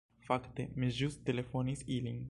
"Fakte, mi ĵus telefonis ilin."